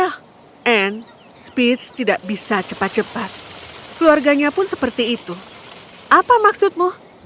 ya anne speech tidak bisa cepat cepat keluarganya pun seperti itu apa maksudmu